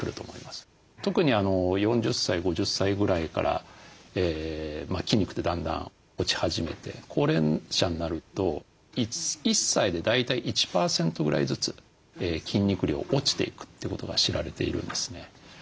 特に４０歳５０歳ぐらいから筋肉ってだんだん落ち始めて高齢者になると１歳で大体１％ぐらいずつ筋肉量落ちていくということが知られているんですね。